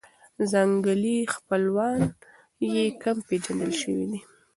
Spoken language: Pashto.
ځنګلي خپلوان یې کم پېژندل شوي دي.